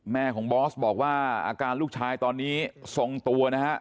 แม่ของบอสบอกว่าอาการลูกชายตอนนี้ทรงตัวนะฮะ